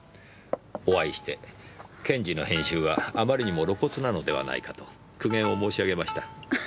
お会いして検事の編集はあまりにも露骨なのではないかと苦言を申し上げました。